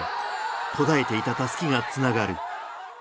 途絶えていた襷がつながる。